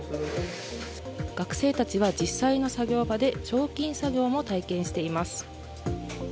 学生たちは実際の作業場で彫金作業も体験しています。